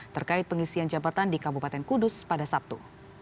terkait pengisian jabatan di kabupaten kudus pada sabtu